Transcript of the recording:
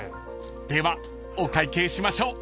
［ではお会計しましょう］